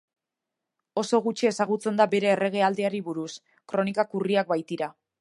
Oso gutxi ezagutzen da bere erregealdiari buruz, kronikak urriak baitira.